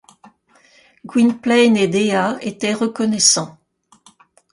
Gwynplaine et Dea étaient reconnaissants.